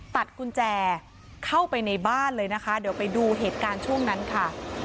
ตัดกุญแจเข้าไปในบ้านเลยนะคะเดี๋ยวไปดูเหตุการณ์ช่วงนั้นค่ะ